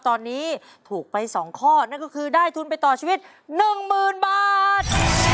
ตอนนี้ถูกไป๒ข้อนั่นก็คือได้ทุนไปต่อชีวิต๑๐๐๐บาท